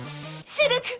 シルク！